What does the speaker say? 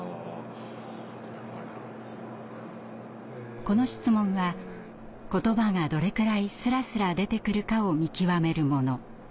この質問は言葉がどれくらいスラスラ出てくるかを見極めるもの。